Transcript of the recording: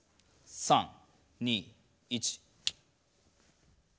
３２１。